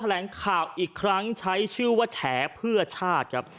แหลงข่าวอีกครั้งใช้ชื่อว่าแฉเพื่อชาติครับ